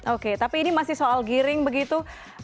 oke tapi ini masih soal giring begitu